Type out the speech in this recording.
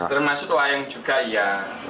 termasuk ayang juga iya